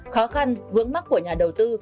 khó khăn vướng mắc của nhà đầu tư